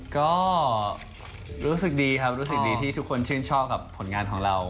ก็รู้สึกดีครับรู้สึกดีที่ทุกคนชื่นชอบกับผลงานของเรา